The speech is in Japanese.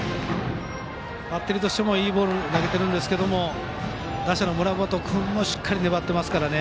バッテリーとしてもいいボールを投げていますが打者の村本君もしっかり粘っています。